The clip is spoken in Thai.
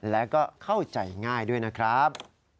และก็เข้าใจง่ายด้วยนะครับ